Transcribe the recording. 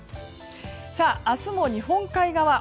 明日も日本海側